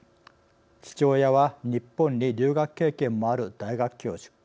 父親は日本に留学経験もある大学教授。